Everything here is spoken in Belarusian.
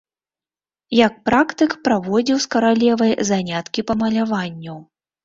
Як практык праводзіў з каралевай заняткі па маляванню.